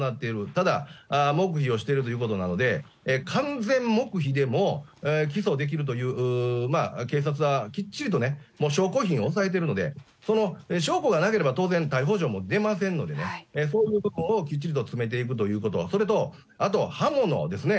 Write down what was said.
ただ、黙秘をしているということなので、完全黙秘でも起訴できるという、警察はきっちりとね、証拠品を押さえているので、その証拠がなければ、当然、逮捕状も出ませんのでね、そういう部分をきっちりと詰めていくということ、それと、あと、刃物ですね。